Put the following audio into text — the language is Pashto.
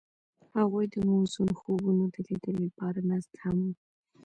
هغوی د موزون خوبونو د لیدلو لپاره ناست هم وو.